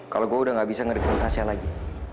kalau gue udah gak bisa ngerti kesehatan lagi